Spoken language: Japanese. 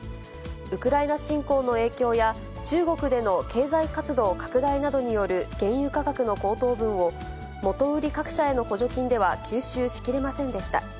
ウクライナ侵攻の影響や、中国での経済活動拡大などによる原油価格の高騰分を、元売り各社への補助金では吸収しきれませんでした。